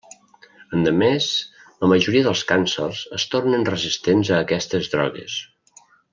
Endemés, la majoria dels càncers es tornen resistents a aquestes drogues.